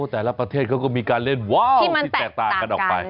แต่ละประเทศเขาก็มีการเล่นว้าวที่แตกต่างกันออกไป